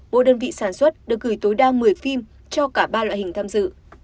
mỗi đơn vị sản xuất được gửi tối đa một mươi phim cho cả ba loại hình tham dự